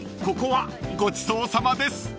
ここはごちそうさまです］